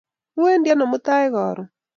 Iwendi ano mutai karon?